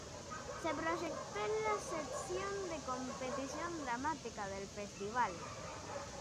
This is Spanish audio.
Se proyectó en la sección de competición dramática del festival.